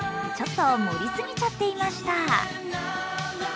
ちょっと盛りすぎちゃっていました。